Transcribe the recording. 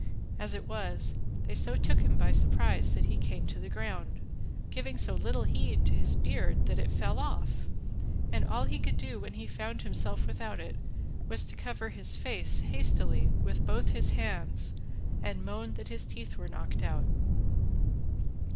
As it was, they so took him by surprise that he came to the ground, giving so little heed to his beard that it fell off, and all he could do when he found himself without it was to cover his face hastily with both his hands and moan that his teeth were knocked out.